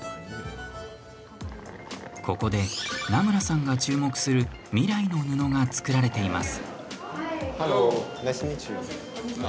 ここで、南村さんが注目する未来の布が作られています。